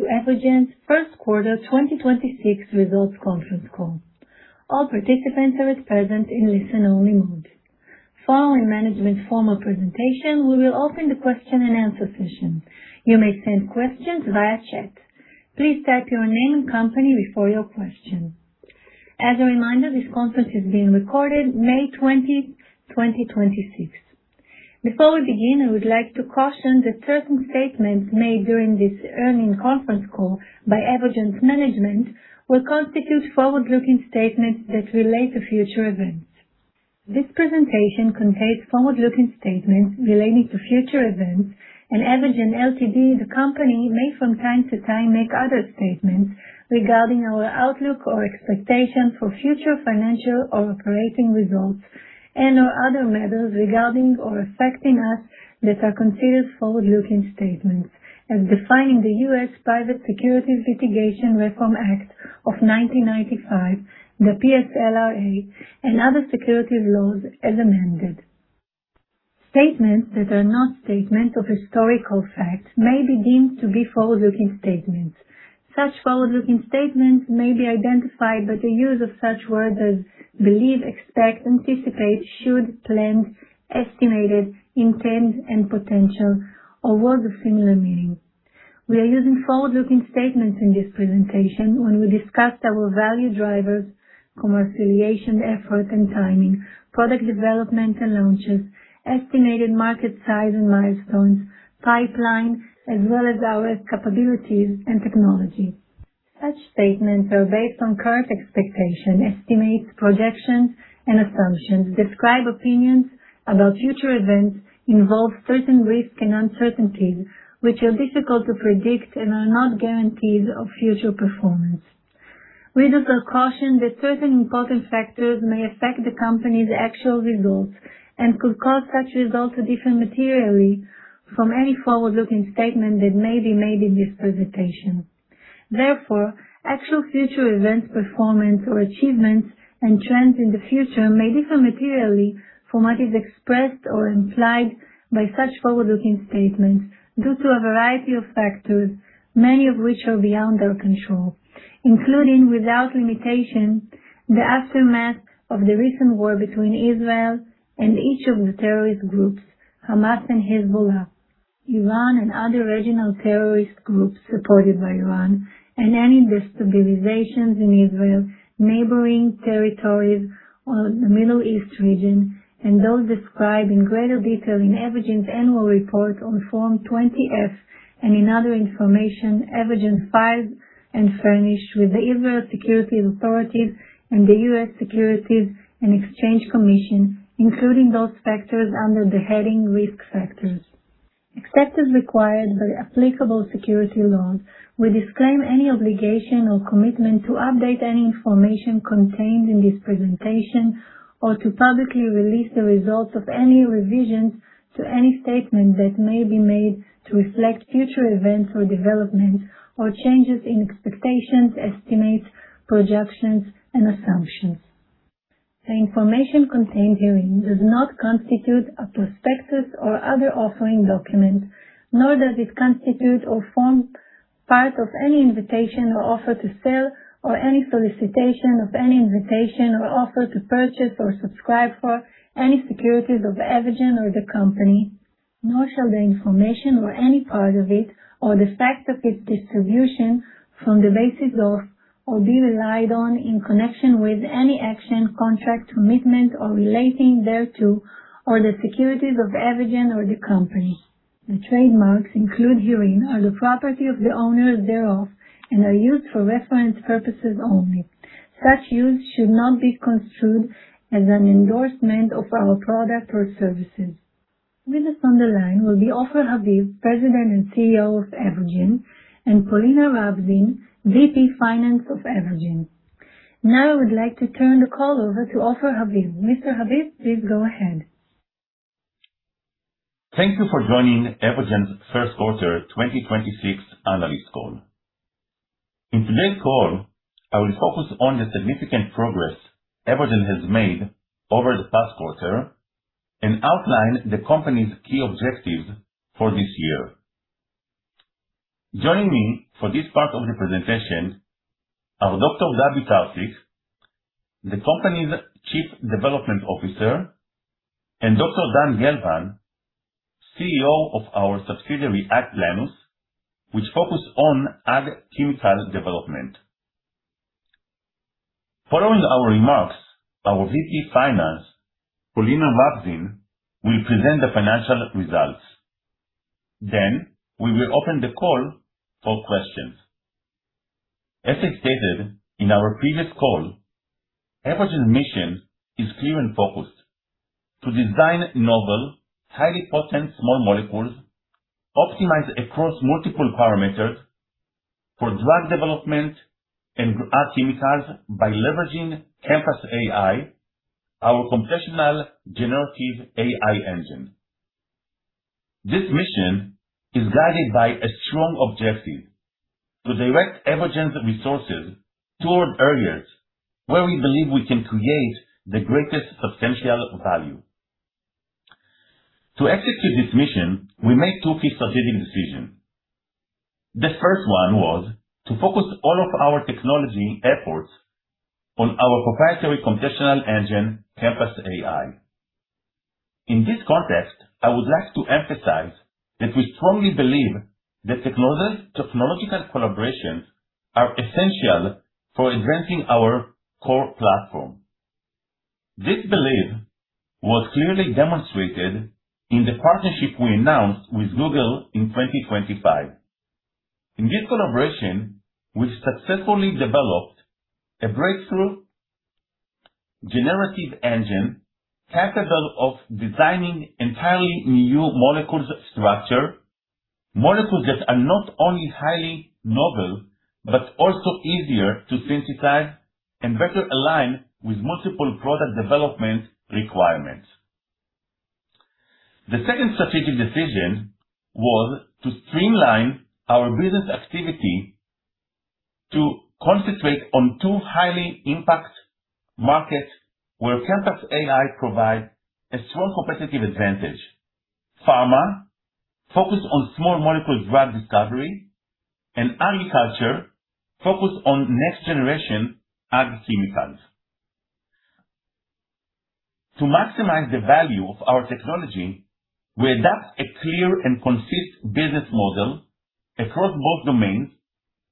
Welcome to Evogene's first quarter 2026 results conference call. All participants are at present in listen-only mode. Following management's formal presentation, we will open the question and answer session. You may send questions via chat. Please type your name and company before your question. As a reminder, this conference is being recorded May 20, 2026. Before we begin, I would like to caution that certain statements made during this earning conference call by Evogene's management will constitute forward-looking statements that relate to future events. This presentation contains forward-looking statements relating to future events. Evogene Ltd., the company, may from time to time make other statements regarding our outlook or expectation for future financial or operating results and/or other matters regarding or affecting us that are considered forward-looking statements as defined in the U.S. Private Securities Litigation Reform Act of 1995, the PSLRA, and other securities laws as amended. Statements that are not statements of historical fact may be deemed to be forward-looking statements. Such forward-looking statements may be identified by the use of such words as believe, expect, anticipate, should, plan, estimated, intend, and potential, or words of similar meaning. We are using forward-looking statements in this presentation when we discuss our value drivers, commercialization effort and timing, product development and launches, estimated market size and milestones, pipeline, as well as our capabilities and technology. Such statements are based on current expectation estimates, projections, and assumptions, describe opinions about future events, involve certain risks and uncertainties, which are difficult to predict and are not guarantees of future performance. Readers are cautioned that certain important factors may affect the company's actual results and could cause such results to differ materially from any forward-looking statement that may be made in this presentation. Therefore, actual future events, performance or achievements and trends in the future may differ materially from what is expressed or implied by such forward-looking statements due to a variety of factors, many of which are beyond our control, including without limitation, the aftermath of the recent war between Israel and each of the terrorist groups, Hamas and Hezbollah, Iran and other regional terrorist groups supported by Iran, and any destabilizations in Israel, neighboring territories, or the Middle East region, and those described in greater detail in Evogene's annual report on Form 20-F and in other information Evogene files and furnish with the Israel Securities Authority and the U.S. Securities and Exchange Commission, including those factors under the heading Risk Factors. Except as required by applicable securities laws, we disclaim any obligation or commitment to update any information contained in this presentation or to publicly release the results of any revisions to any statement that may be made to reflect future events or developments or changes in expectations, estimates, projections, and assumptions. The information contained herein does not constitute a prospectus or other offering document, nor does it constitute or form part of any invitation or offer to sell, or any solicitation of any invitation or offer to purchase or subscribe for any securities of Evogene or the company. Nor shall the information or any part of it or the fact of its distribution form the basis of, or be relied on in connection with any action, contract, commitment, or relating thereto, or the securities of Evogene or the company. The trademarks included herein are the property of the owners thereof and are used for reference purposes only. Such use should not be construed as an endorsement of our product or services. With us on the line will be Ofer Haviv, President and CEO of Evogene, and Polina Ravzin, VP Finance of Evogene. I would like to turn the call over to Ofer Haviv. Mr. Haviv, please go ahead. Thank you for joining Evogene's first quarter 2026 analyst call. In today's call, I will focus on the significant progress Evogene has made over the past quarter and outline the company's key objectives for this year. Joining me for this part of the presentation are Dr. Gabi Tarcic, the company's Chief Development Officer, and Dr. Dan Gelvan, CEO of our subsidiary, AgPlenus, which focus on ag chemical development. Following our remarks, our VP Finance, Polina Ravzin, will present the financial results. We will open the call for questions. As I stated in our previous call, Evogene's mission is clear and focused: to design novel, highly potent small molecules optimized across multiple parameters for drug development and ag chemicals by leveraging ChemPass AI, our computational generative AI engine. This mission is guided by a strong objective to direct Evogene's resources toward areas where we believe we can create the greatest substantial value. To execute this mission, we made two key strategic decisions. The first one was to focus all of our technology efforts on our proprietary computational engine, ChemPass AI. In this context, I would like to emphasize that we strongly believe that technological collaborations are essential for advancing our core platform. This belief was clearly demonstrated in the partnership we announced with Google in 2025. In this collaboration, we successfully developed a breakthrough generative engine capable of designing entirely new molecules structure, molecules that are not only highly novel, but also easier to synthesize and better align with multiple product development requirements. The second strategic decision was to streamline our business activity to concentrate on two highly impact markets where ChemPass AI provides a strong competitive advantage. Pharma, focused on small molecule drug discovery, and agriculture, focused on next generation ag chemicals. To maximize the value of our technology, we adopt a clear and concise business model across both domains,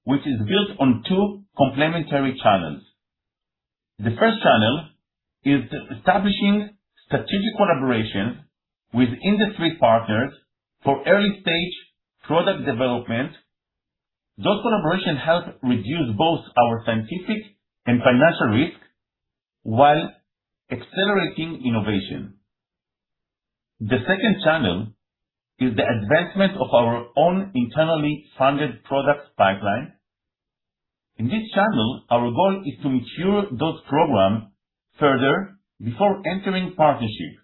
which is built on two complementary channels. The first channel is establishing strategic collaborations with industry partners for early-stage product development. Those collaborations help reduce both our scientific and financial risk while accelerating innovation. The second channel is the advancement of our own internally funded product pipeline. In this channel, our goal is to mature those programs further before entering partnership,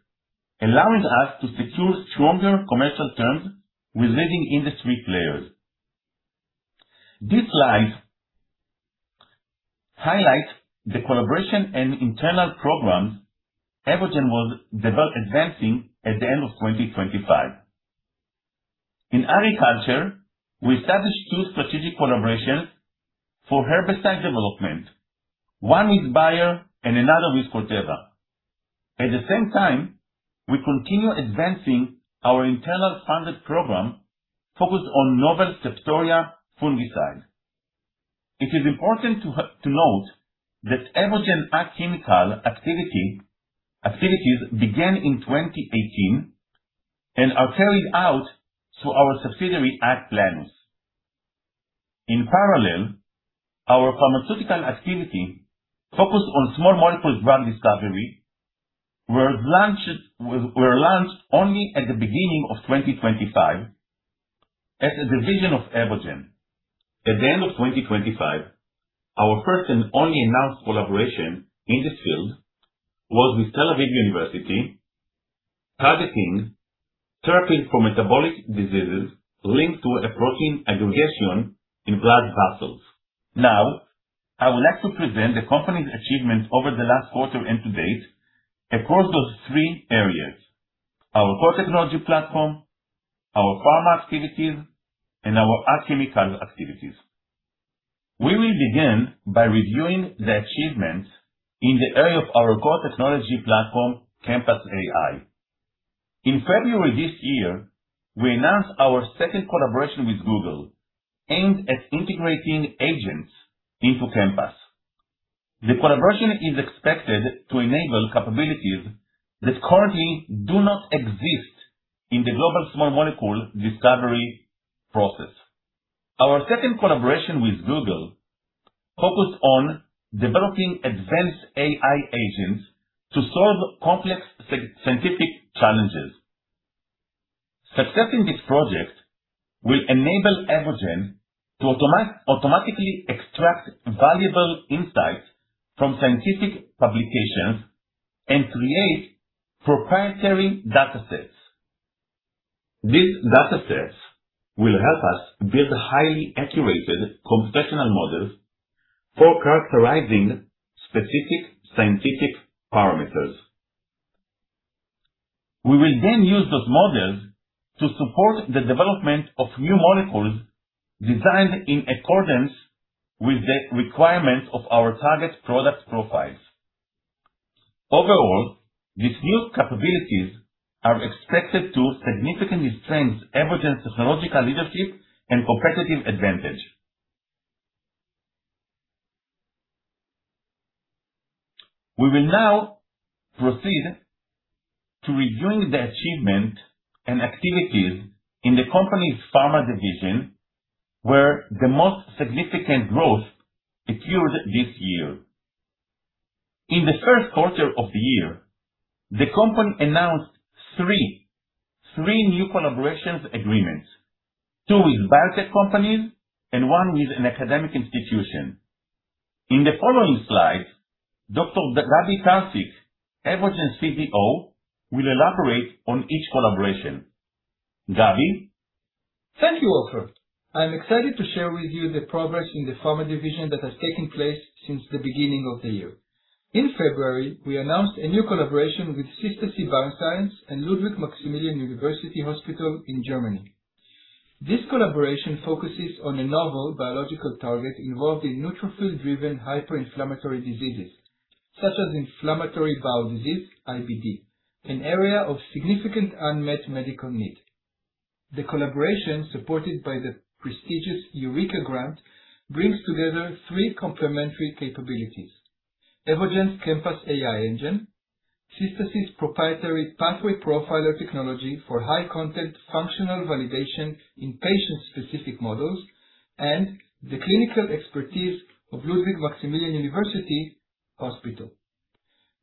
allowing us to secure stronger commercial terms with leading industry players. This slide highlights the collaboration and internal programs Evogene was advancing at the end of 2025. In agriculture, we established two strategic collaborations for herbicide development, one with Bayer and another one with Corteva. At the same time, we continue advancing our internal funded program focused on novel Septoria fungicides. It is important to note that Evogene ag chemical activities began in 2018 and are carried out through our subsidiary, AgPlenus. In parallel, our pharmaceutical activity focused on small molecules drug discovery were launched only at the beginning of 2025 as a division of Evogene. At the end of 2025, our first and only announced collaboration in this field was with Tel Aviv University, targeting therapy for metabolic diseases linked to a protein aggregation in blood vessels. Now, I would like to present the company's achievements over the last quarter and to date across those three areas, our core technology platform, our pharma activities, and our ag chemical activities. We will begin by reviewing the achievements in the area of our core technology platform, ChemPass AI. In February this year, we announced our second collaboration with Google, aimed at integrating agents into ChemPass AI. The collaboration is expected to enable capabilities that currently do not exist in the global small molecule discovery process. Our second collaboration with Google focused on developing advanced AI agents to solve complex scientific challenges. Succeeding this project will enable Evogene to automatically extract valuable insights from scientific publications and create proprietary data sets. These datasets will help us build highly accurate computational models for characterizing specific scientific parameters. We will use those models to support the development of new molecules designed in accordance with the requirements of our target product profiles. These new capabilities are expected to significantly strengthen Evogene's technological leadership and competitive advantage. We will now proceed to reviewing the achievement and activities in the company's Pharma Division, where the most significant growth occurred this year. In the first quarter of the year, the company announced three new collaborations agreements, two with biotech companies and one with an academic institution. In the following slide, Dr. Gabi Tarcic, Evogene's CDO, will elaborate on each collaboration. Gabi? Thank you, Ofer. I'm excited to share with you the progress in the Pharma Division that has taken place since the beginning of the year. In February, we announced a new collaboration with Systasy Bioscience and Ludwig Maximilian University Hospital in Germany. This collaboration focuses on a novel biological target involved in neutrophil-driven hyperinflammatory diseases such as inflammatory bowel disease, IBD, an area of significant unmet medical need. The collaboration, supported by the prestigious Eureka Grant, brings together three complementary capabilities, Evogene's ChemPass AI engine, Systasy's proprietary Pathway Profiler technology for high-content functional validation in patient-specific models, and the clinical expertise of Ludwig Maximilian University Hospital.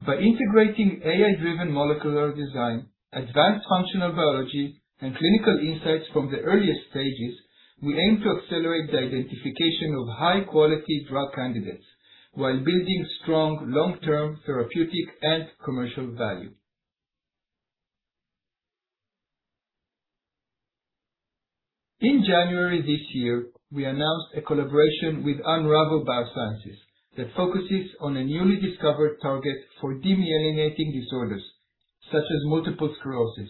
By integrating AI-driven molecular design, advanced functional biology, and clinical insights from the earliest stages, we aim to accelerate the identification of high-quality drug candidates while building strong long-term therapeutic and commercial value. In January this year, we announced a collaboration with Unravel Biosciences that focuses on a newly discovered target for demyelinating disorders, such as multiple sclerosis,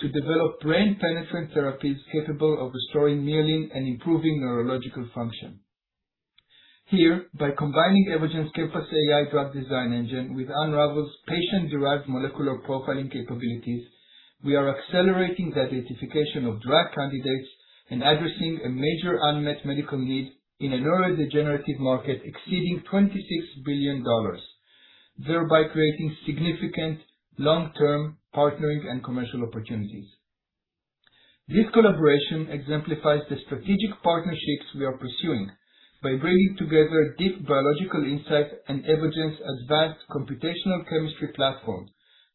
to develop brain-penetrant therapies capable of restoring myelin and improving neurological function. Here, by combining Evogene's ChemPass AI drug design engine with Unravel's patient-derived molecular profiling capabilities, we are accelerating the identification of drug candidates and addressing a major unmet medical need in a neurodegenerative market exceeding $26 billion, thereby creating significant long-term partnering and commercial opportunities. This collaboration exemplifies the strategic partnerships we are pursuing by bringing together deep biological insight and Evogene's advanced computational chemistry platform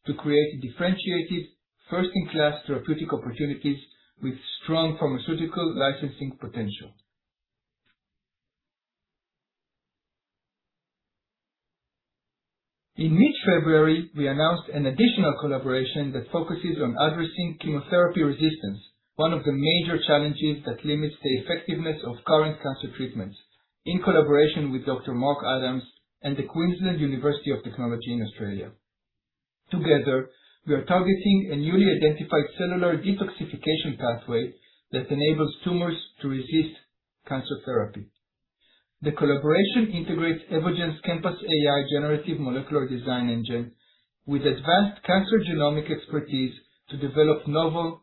to create differentiated first-in-class therapeutic opportunities with strong pharmaceutical licensing potential. In mid-February, we announced an additional collaboration that focuses on addressing chemotherapy resistance, one of the major challenges that limits the effectiveness of current cancer treatments, in collaboration with Dr. Mark Adams and the Queensland University of Technology in Australia. Together, we are targeting a newly identified cellular detoxification pathway that enables tumors to resist cancer therapy. The collaboration integrates Evogene's ChemPass AI generative molecular design engine with advanced cancer genomic expertise to develop novel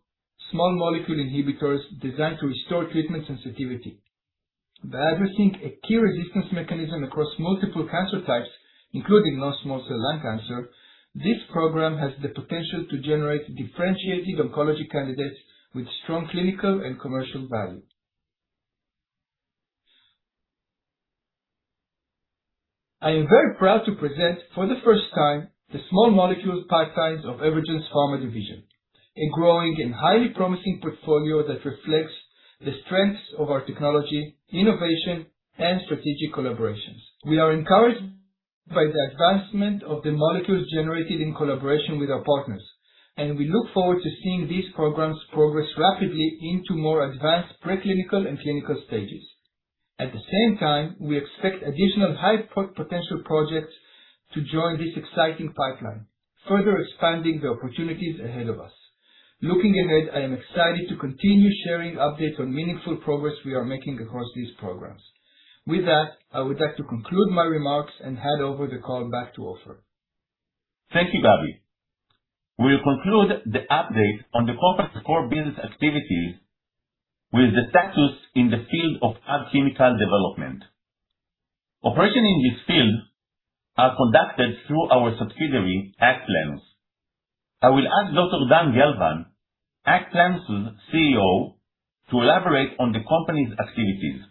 small molecule inhibitors designed to restore treatment sensitivity. By addressing a key resistance mechanism across multiple cancer types, including non-small cell lung cancer, this program has the potential to generate differentiated oncology candidates with strong clinical and commercial value. I am very proud to present, for the first time, the small molecule pipelines of Evogene's Pharma Division, a growing and highly promising portfolio that reflects the strengths of our technology, innovation, and strategic collaborations. We are encouraged by the advancement of the molecules generated in collaboration with our partners, and we look forward to seeing these programs progress rapidly into more advanced preclinical and clinical stages. At the same time, we expect additional high-potential projects to join this exciting pipeline, further expanding the opportunities ahead of us. Looking ahead, I am excited to continue sharing updates on meaningful progress we are making across these programs. With that, I would like to conclude my remarks and hand over the call back to Ofer. Thank you, Gabi. We will conclude the update on the corporate core business activities with the status in the field of agchemical development. Operations in this field are conducted through our subsidiary, AgPlenus. I will ask Dr. Dan Gelvan, AgPlenus' CEO, to elaborate on the company's activities.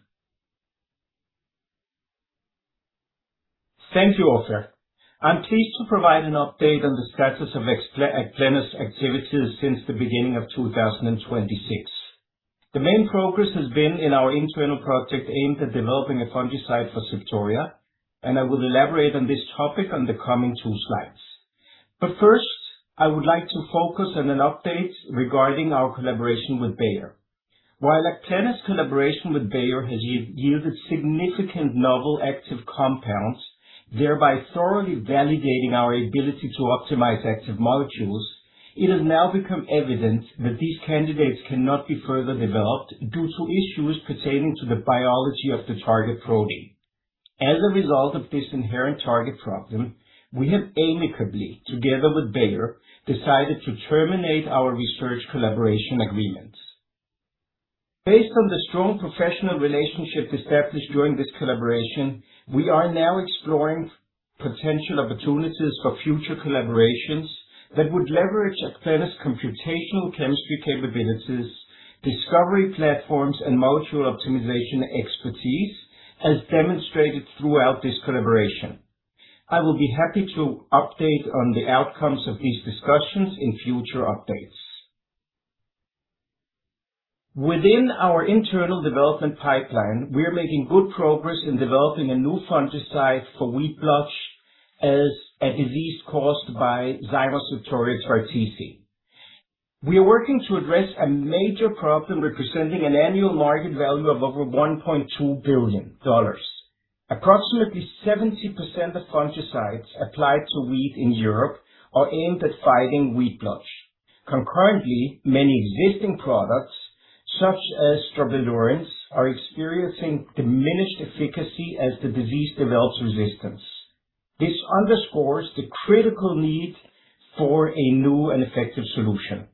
Thank you, Ofer. I'm pleased to provide an update on the status of AgPlenus' activities since the beginning of 2026. The main progress has been in our internal project aimed at developing a fungicide for Septoria, and I will elaborate on this topic on the coming two slides. First, I would like to focus on an update regarding our collaboration with Bayer. While AgPlenus' collaboration with Bayer has yielded significant novel active compounds, thereby thoroughly validating our ability to optimize active molecules, it has now become evident that these candidates cannot be further developed due to issues pertaining to the biology of the target protein. As a result of this inherent target problem, we have amicably, together with Bayer, decided to terminate our research collaboration agreement. Based on the strong professional relationship established during this collaboration, we are now exploring potential opportunities for future collaborations that would leverage AgPlenus' computational chemistry capabilities, discovery platforms, and module optimization expertise as demonstrated throughout this collaboration. I will be happy to update on the outcomes of these discussions in future updates. Within our internal development pipeline, we are making good progress in developing a new fungicide for tritici blotch as a disease caused by Zymoseptoria tritici. We are working to address a major problem representing an annual market value of over $1.2 billion. Approximately 70% of fungicides applied to wheat in Europe are aimed at fighting tritici blotch. Concurrently, many existing products, such as strobilurins, are experiencing diminished efficacy as the disease develops resistance. This underscores the critical need for a new and effective solution.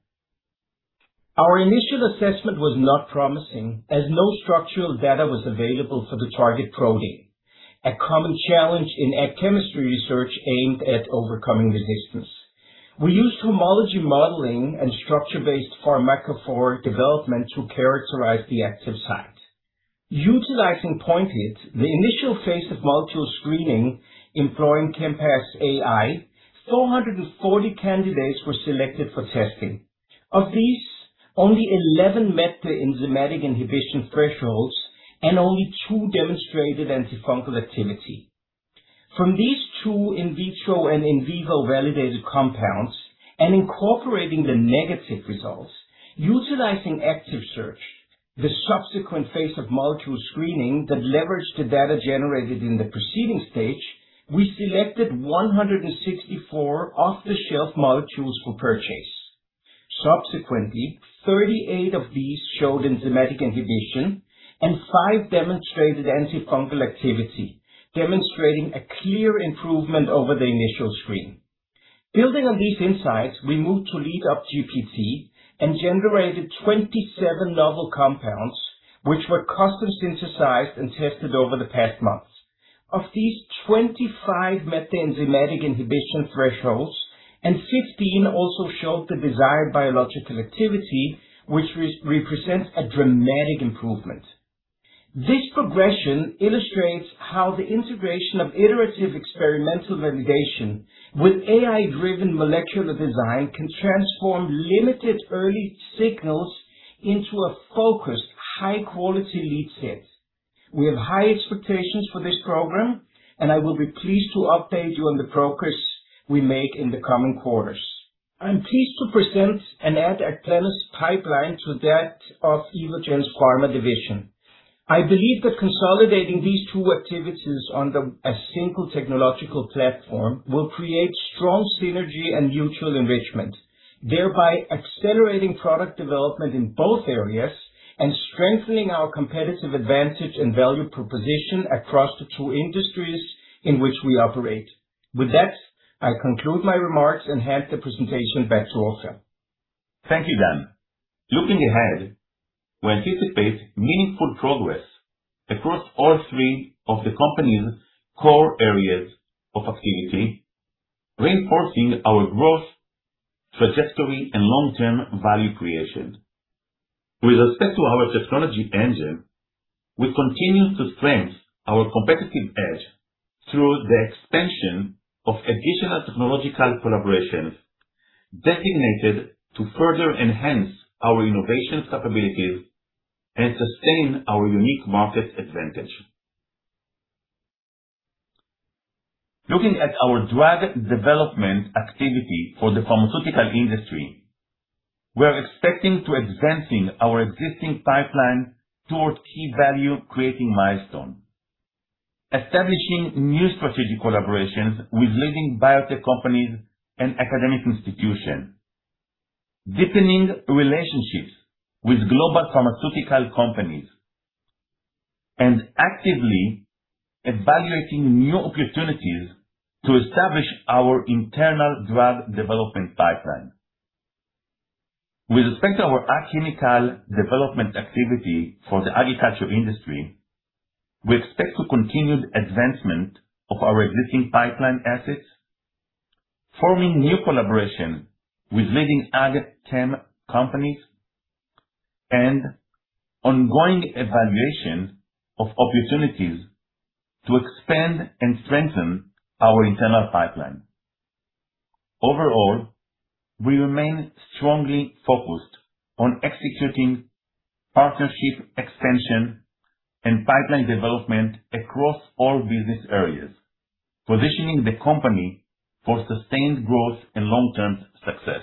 Our initial assessment was not promising, as no structural data was available for the target protein, a common challenge in ag chemistry research aimed at overcoming resistance. We used homology modeling and structure-based pharmacophore development to characterize the active site. Utilizing PointHit, the initial phase of module screening employing ChemPass AI, 440 candidates were selected for testing. Of these, only 11 met the enzymatic inhibition thresholds, and only two demonstrated antifungal activity. From these two in vitro and in vivo validated compounds, and incorporating the negative results, utilizing ActiveSearch, the subsequent phase of module screening that leveraged the data generated in the preceding stage, we selected 164 off-the-shelf molecules for purchase. Subsequently, 38 of these showed enzymatic inhibition, and five demonstrated antifungal activity, demonstrating a clear improvement over the initial screen. Building on these insights, we moved to LeadOptGPT and generated 27 novel compounds, which were custom synthesized and tested over the past month. Of these, 25 met the enzymatic inhibition thresholds, and 15 also showed the desired biological activity, which represents a dramatic improvement. This progression illustrates how the integration of iterative experimental validation with AI-driven molecular design can transform limited early signals into a focused, high-quality lead set. We have high expectations for this program, and I will be pleased to update you on the progress we make in the coming quarters. I'm pleased to present and add AgPlenus's pipeline to that of Evogene's Pharma Division. I believe that consolidating these two activities under a single technological platform will create strong synergy and mutual enrichment, thereby accelerating product development in both areas and strengthening our competitive advantage and value proposition across the two industries in which we operate. With that, I conclude my remarks and hand the presentation back to Ofer. Thank you, Dan. Looking ahead, we anticipate meaningful progress across all three of the company's core areas of activity, reinforcing our growth trajectory and long-term value creation. With respect to our technology engine, we continue to strengthen our competitive edge through the expansion of additional technological collaborations designated to further enhance our innovation capabilities and sustain our unique market advantage. Looking at our drug development activity for the pharmaceutical industry, we're expecting to advancing our existing pipeline towards key value-creating milestones, establishing new strategic collaborations with leading biotech companies and academic institutions, deepening relationships with global pharmaceutical companies, and actively evaluating new opportunities to establish our internal drug development pipeline. With respect to our ag chemical development activity for the agriculture industry, we expect to continued advancement of our existing pipeline assets, forming new collaboration with leading ag chem companies, and ongoing evaluation of opportunities to expand and strengthen our internal pipeline. Overall, we remain strongly focused on executing partnership extension and pipeline development across all business areas, positioning the company for sustained growth and long-term success.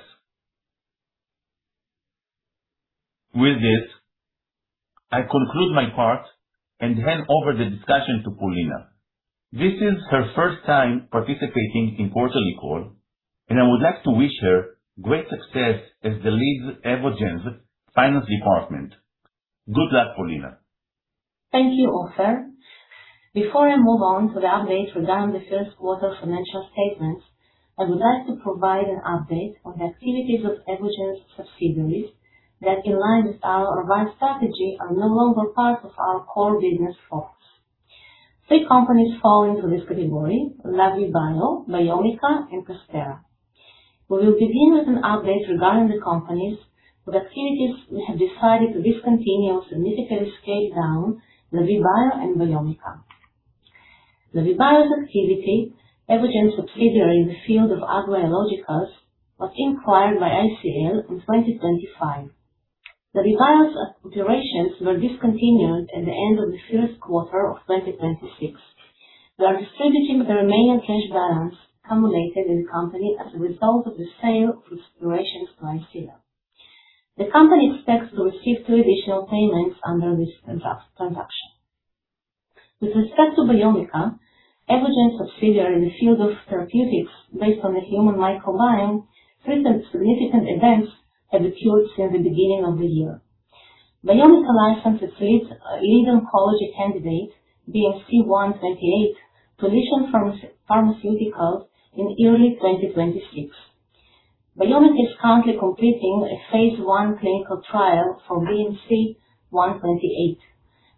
With this, I conclude my part and hand over the discussion to Polina. This is her first time participating in quarterly call, and I would like to wish her great success as the lead Evogene's finance department. Good luck, Polina. Thank you, Ofer. Before I move on to the update regarding the first quarter financial statements, I would like to provide an update on the activities of Evogene's subsidiaries that, in line with our revised strategy, are no longer part of our core business focus. Three companies fall into this category, Lavie Bio, Biomica, and Casterra. We will begin with an update regarding the companies for the activities we have decided to discontinue or significantly scale down, Lavie Bio and Biomica. The Lavie Bio activity, Evogene subsidiary in the field of agro-biologicals, was acquired by ICL in 2025. The Lavie Bio's operations were discontinued at the end of the first quarter of 2026. We are distributing the remaining cash balance accumulated in the company as a result of the sale of its operations by ICL. The company expects to receive two additional payments under this transaction. With respect to Biomica, Evogene subsidiary in the field of therapeutics based on the human microbiome, recent significant events have occurred since the beginning of the year. Biomica licensed its lead oncology candidate, BMC128, to Lishan Pharmaceuticals in early 2026. Biomica is currently completing a phase I clinical trial for BMC128.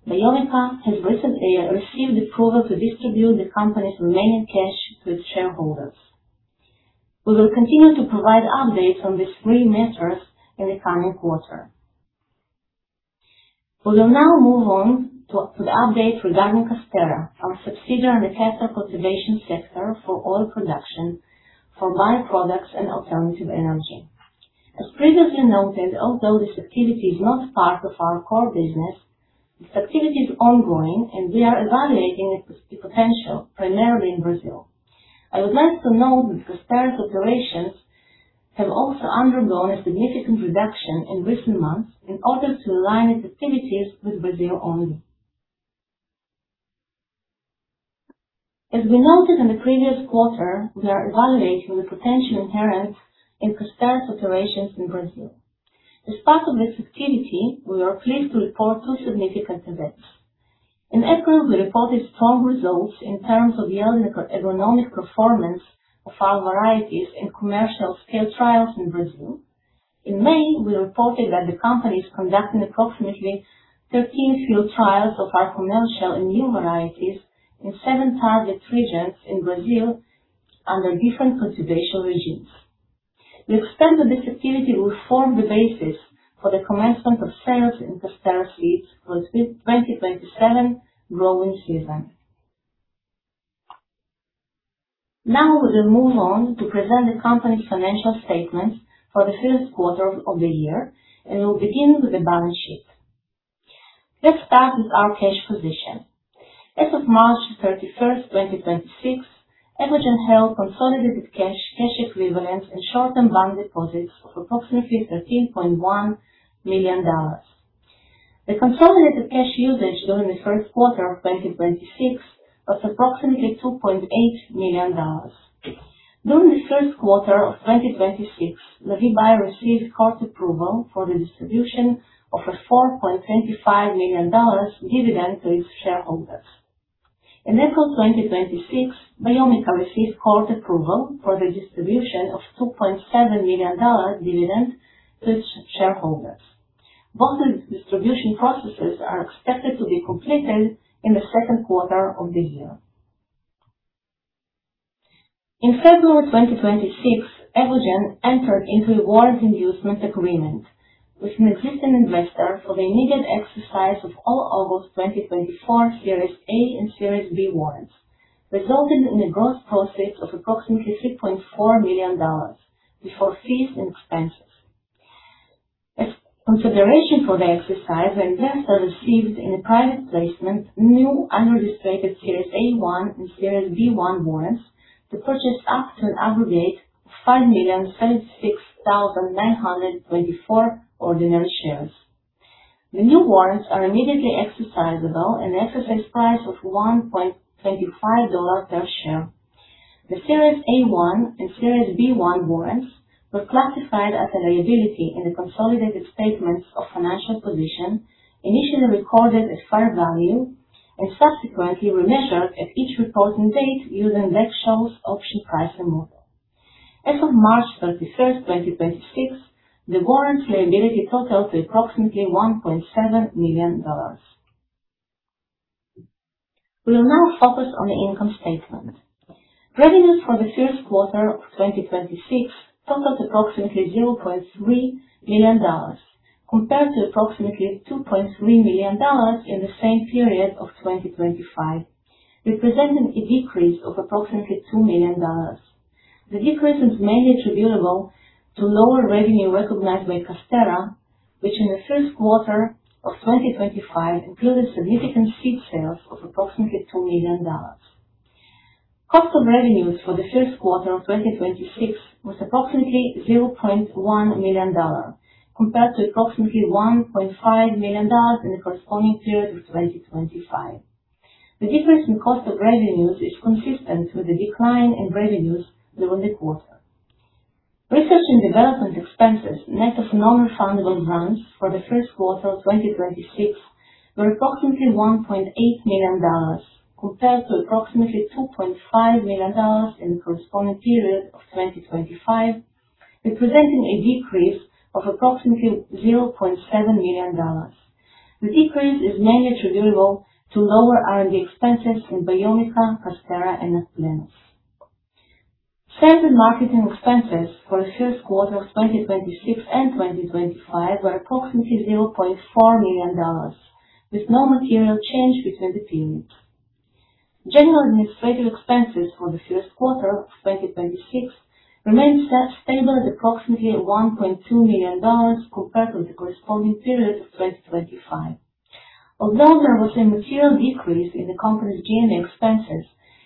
Biomica has recently received approval to distribute the company's remaining cash to its shareholders. We will continue to provide updates on these three matters in the coming quarter. We will now move on to the update regarding Casterra, our subsidiary in the castor cultivation sector for oil production, for by-products and alternative energy. As previously noted, although this activity is not part of our core business, this activity is ongoing, and we are evaluating its potential, primarily in Brazil. I would like to note that Casterra's operations have also undergone a significant reduction in recent months in order to align its activities with Brazil only. As we noted in the previous quarter, we are evaluating the potential inherent in Casterra's operations in Brazil. As part of this activity, we are pleased to report two significant events. In April, we reported strong results in terms of the agronomic performance of our varieties in commercial scale trials in Brazil. In May, we reported that the company is conducting approximately 13 field trials of our commercial and new varieties in seven target regions in Brazil under different cultivation regimes. We expect that this activity will form the basis for the commencement of sales in Casterra seeds for the 2027 growing season. Now we will move on to present the company's financial statements for the first quarter of the year, and we'll begin with the balance sheet. Let's start with our cash position. As of March 31st, 2026, Evogene held consolidated cash equivalents, and short-term bank deposits of approximately $13.1 million. The consolidated cash usage during the first quarter of 2026 was approximately $2.8 million. During the first quarter of 2026, Lavie Bio received court approval for the distribution of a $4.25 million dividend to its shareholders. In April 2026, Biomica received court approval for the distribution of $2.7 million dividend to its shareholders. Both the distribution processes are expected to be completed in the second quarter of this year. In February 2026, Evogene entered into a warrants inducement agreement with an existing investor for the immediate exercise of all August 2024 Series A and Series B warrants, resulting in a gross proceeds of approximately $3.4 million before fees and expenses. As consideration for the exercise, the investor received in a private placement new unregistered Series A-1 and Series B-1 warrants to purchase up to an aggregate of 5,036,924 ordinary shares. The new warrants are immediately exercisable at an exercise price of $1.25 per share. The Series A-1 and Series B-1 warrants were classified as a liability in the consolidated statements of financial position, initially recorded at fair value, and subsequently remeasured at each reporting date using Black-Scholes option pricing model. As of March 31, 2026, the warrant liability totaled approximately $1.7 million. We will now focus on the income statement. Revenues for the first quarter of 2026 totaled approximately $0.3 million, compared to approximately $2.3 million in the same period of 2025, representing a decrease of approximately $2 million. The decrease is mainly attributable to lower revenue recognized by Casterra, which in the first quarter of 2025 included significant seed sales of approximately $2 million. Cost of revenues for the first quarter of 2026 was approximately $0.1 million, compared to approximately $1.5 million in the corresponding period of 2025. The difference in cost of revenues is consistent with the decline in revenues during the quarter. Research and development expenses net of non-refundable grants for the first quarter of 2026 were approximately $1.8 million, compared to approximately $2.5 million in the corresponding period of 2025, representing a decrease of approximately $0.7 million. The decrease is mainly attributable to lower R&D expenses in Biomica, Casterra, and AgPlenus. Sales and marketing expenses for the first quarter of 2026 and 2025 were approximately $0.4 million, with no material change between the periods. General administrative expenses for the first quarter of 2026 remained stable at approximately $1.2 million compared to the corresponding period of 2025. Although there was a material decrease in the company's G&A expenses,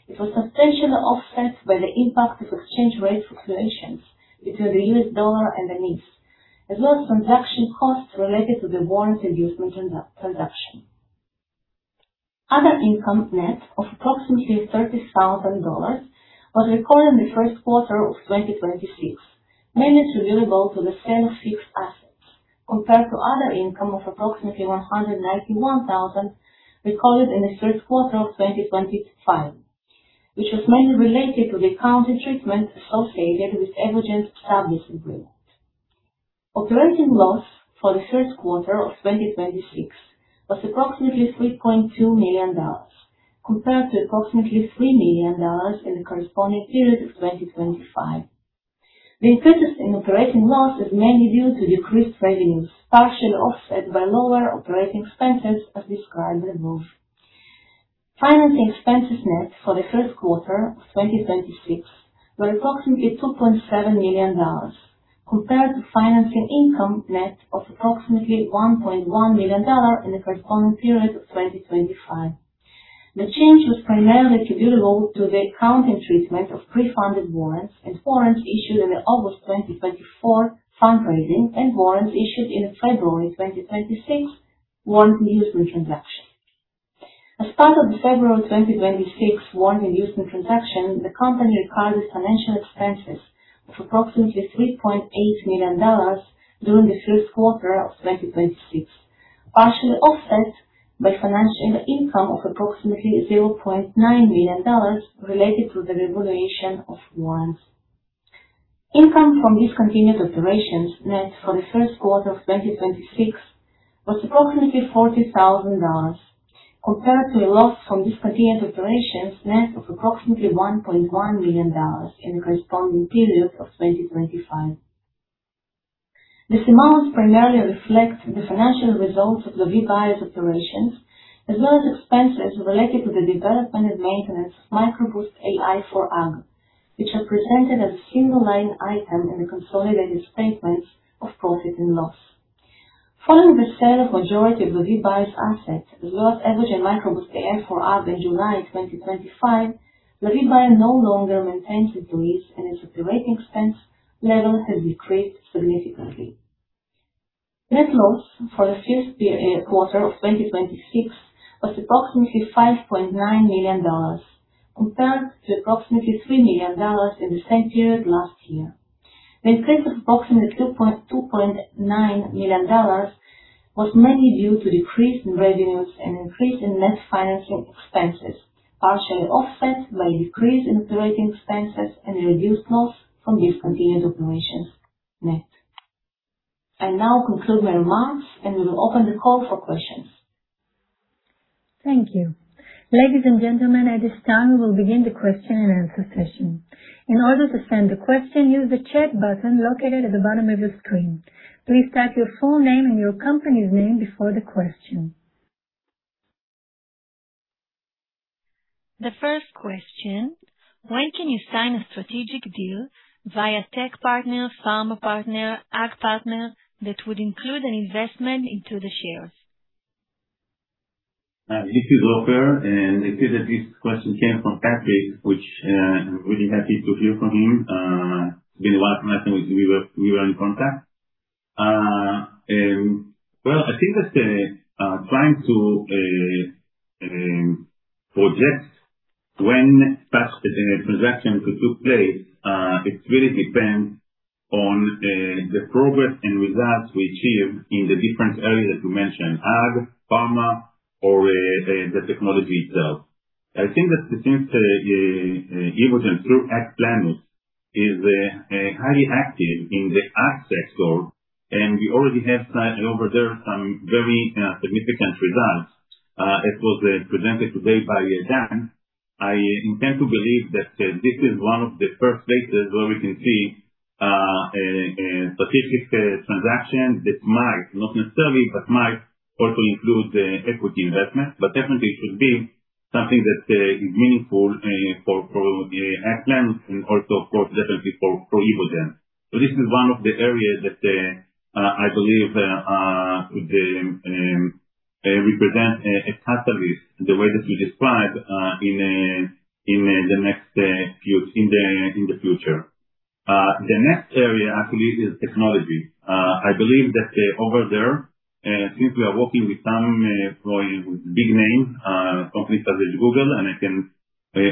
it was substantially offset by the impact of exchange rate fluctuations between the U.S. dollar and the NIS, as well as transaction costs related to the warrant issuance transaction. Other income net of approximately $30,000 was recorded in the first quarter of 2026, mainly attributable to the sale of fixed assets, compared to other income of approximately $191,000 recorded in the first quarter of 2025, which was mainly related to the accounting treatment associated with Evogene's sub lease agreement. Operating loss for the first quarter of 2026 was approximately $3.2 million, compared to approximately $3 million in the corresponding period of 2025. The increases in operating loss is mainly due to decreased revenues, partially offset by lower operating expenses as described above. Financing expenses net for the first quarter of 2026 were approximately $2.7 million, compared to financing income net of approximately $1.1 million in the corresponding period of 2025. The change was primarily attributable to the accounting treatment of pre-funded warrants and warrants issued in the August 2024 fundraising and warrants issued in the February 2026 warrant issuance transaction. As part of the February 2026 warrant issuance transaction, the company recorded financial expenses of approximately $3.8 million during the first quarter of 2026, partially offset by financial income of approximately $0.9 million related to the revaluation of warrants. Income from discontinued operations net for the first quarter of 2026 was approximately $40,000, compared to a loss from discontinued operations net of approximately $1.1 million in the corresponding period of 2025. This amount primarily reflects the financial results of the Lavie Bio's operations, as well as expenses related to the development and maintenance of MicroBoost AI for AG, which are presented as a single line item in the consolidated statements of profit and loss. Following the sale of majority of the Lavie Bio's assets, as well as Evogene MicroBoost AI for AG in July 2025, the Lavie Bio no longer maintains employees, and its operating expense level has decreased significantly. Net loss for the first quarter of 2026 was approximately $5.9 million, compared to approximately $3 million in the same period last year. The increase of approximately $2.9 million was mainly due to decrease in revenues and increase in net financing expenses, partially offset by a decrease in operating expenses and a reduced loss from discontinued operations net. I now conclude my remarks. We will open the call for questions. Thank you. Ladies and gentlemen, at this time, we will begin the question and answer session. In order to send a question, use the chat button located at the bottom of your screen. Please type your full name and your company's name before the question. The first question, when can you sign a strategic deal via tech partner, pharma partner, Ag partner that would include an investment into the shares? This is Ofer, and it seems that this question came from Patrick, which I'm really happy to hear from him. It's been a while last time we were in contact. Well, I think that trying to project when such a transaction could took place, it really depends on the progress and results we achieve in the different areas that you mentioned, Ag, pharma or the technology itself. I think that since Evogene, through AgPlenus, is highly active in the AgTech world, we already have signed over there some very significant results, it was presented today by Dan. I intend to believe that this is one of the first places where we can see a strategic transaction that might, not necessarily, but might also include equity investment, but definitely should be something that is meaningful for AgPlenus and also for definitely for Evogene. This is one of the areas that I believe could represent a catalyst the way that you described in the future. The next area actually is technology. I believe that over there, since we are working with some big names, companies such as Google, and I can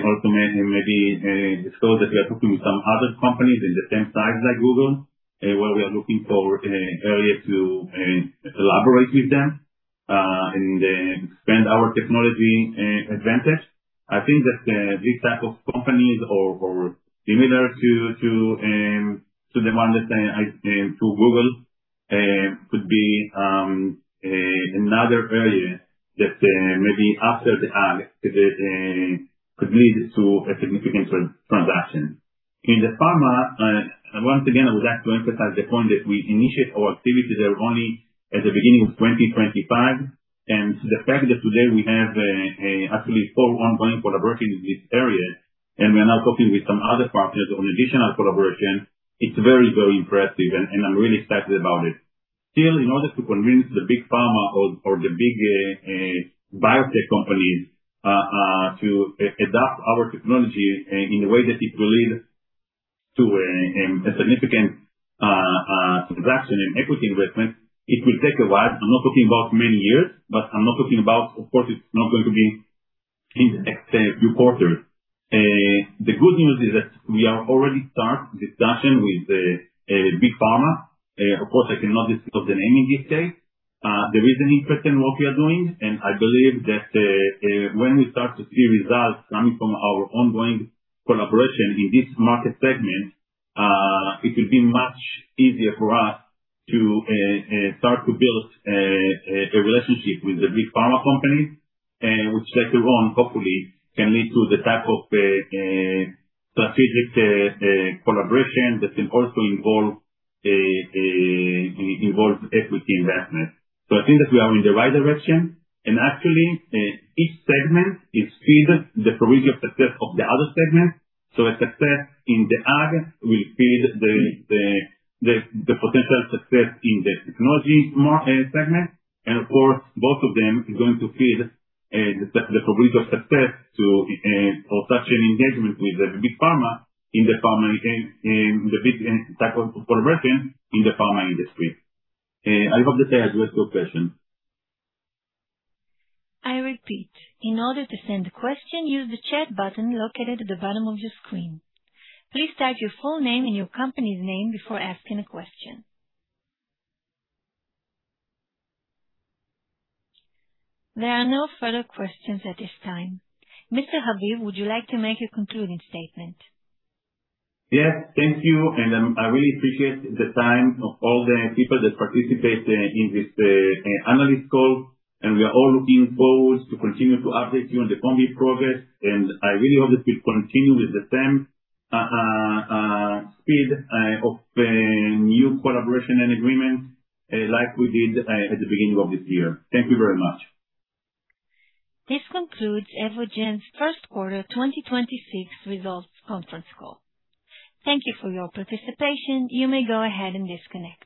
also maybe disclose that we are talking with some other companies in the same size like Google, where we are looking for areas to collaborate with them and expand our technology advantage. I think that these type of companies or similar to the ones to Google could be another area that maybe after the ag, could lead to a significant transaction. In the Pharma, once again, I would like to emphasize the point that we initiate our activity there only at the beginning of 2025, and the fact that today we have actually four ongoing collaborations in this area, and we are now talking with some other partners on additional collaboration. It's very, very impressive, and I'm really excited about it. In order to convince the big pharma or the big biotech companies to adopt our technology in a way that it will lead to a significant transaction and equity investment, it will take a while. I'm not talking about many years, but I'm not talking about, of course, it's not going to be in the next few quarters. The good news is that we are already start discussion with big pharma. I cannot disclose the name in this case. There is an interest in what we are doing, and I believe that when we start to see results coming from our ongoing collaboration in this market segment, it will be much easier for us to start to build a relationship with the big pharma companies, which later on, hopefully, can lead to the type of strategic collaboration that can also involve equity investment. I think that we are in the right direction, and actually, each segment is feed the probability of success of the other segment. A success in the ag will feed the potential success in the technology segment. Of course, both of them is going to feed the probability of success for such an engagement with the big pharma in the big type of collaboration in the pharma industry. I hope that I addressed your question. I repeat, in order to send a question, use the chat button located at the bottom of your screen. Please type your full name and your company's name before asking a question. There are no further questions at this time. Mr. Haviv, would you like to make a concluding statement? Yes. Thank you. I really appreciate the time of all the people that participate in this analyst call. We are all looking forward to continue to update you on the company progress. I really hope that we continue with the same speed of new collaboration and agreement, like we did at the beginning of this year. Thank you very much. This concludes Evogene's first quarter 2026 results conference call. Thank you for your participation. You may go ahead and disconnect.